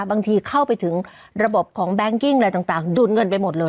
บางทีเข้าไปถึงระบบของแบงคิ้งอะไรต่างดูดเงินไปหมดเลย